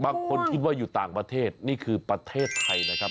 คิดว่าอยู่ต่างประเทศนี่คือประเทศไทยนะครับ